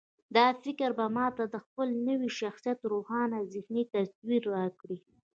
دا فکر به ما ته د خپل نوي شخصيت روښانه ذهني تصوير راکړي.